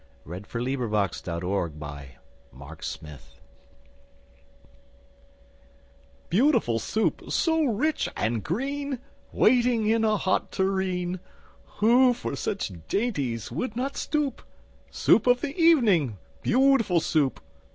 ] Lewis Carroll Beautiful Soup BEAUTIFUL Soup, so rich and green, Waiting in a hot tureen! Who for such dainties would not stoop? Soup of the evening, beautiful Soup!